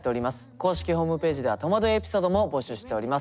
公式ホームページでは「とまどいエピソード」も募集しております。